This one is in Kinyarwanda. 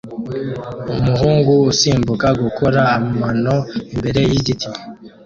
Umuhungu usimbuka gukora amano imbere yigiti